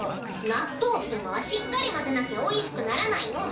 納豆ってのはしっかり混ぜなきゃおいしくならないの。